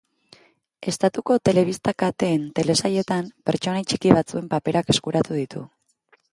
Estatuko telebista-kateen telesailetan pertsonai txiki batzuen paperak eskuratu ditu.